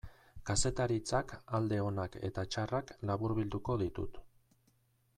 Kazetaritzak alde onak eta txarrak laburbilduko ditut.